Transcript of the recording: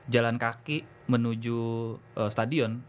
jalan kaki menuju stadion